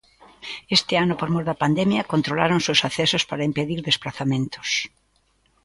Este ano por mor da pandemia, controláronse os accesos para impedir desprazamentos.